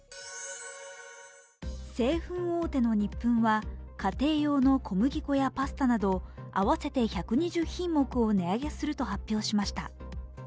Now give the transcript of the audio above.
製粉大手のニップンは家庭用の小麦粉やパスタなど合わせて１２０品目を値上げすると発表しました。